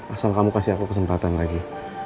asal kamu kasih aku kesempatan lagi